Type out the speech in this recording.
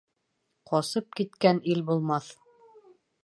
Ҡасып киткән ил булмаҫ